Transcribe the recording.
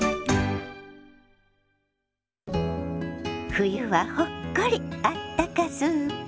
「冬はほっこりあったかスープ」。